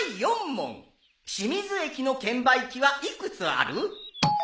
清水駅の券売機は幾つある？